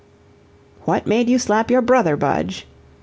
"What made you slap your brother, Budge?"